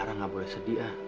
lara gak boleh sedih ya